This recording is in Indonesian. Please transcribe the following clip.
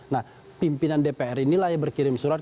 nah pimpinan dpr ini lah yang berkirim surat